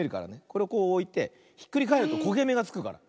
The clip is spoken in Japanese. これをこうおいてひっくりかえるとこげめがつくから。